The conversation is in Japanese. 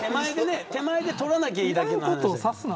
手前で取らなきゃいいだけなのに。